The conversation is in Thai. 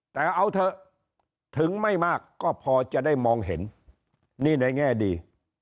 แต่เอาเถอะถึงไม่มากก็พอจะได้มองเห็นนี่ในแง่ดี